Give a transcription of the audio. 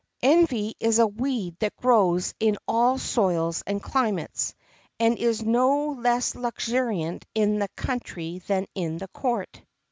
Envy is a weed that grows in all soils and climates, and is no less luxuriant in the country than in the court.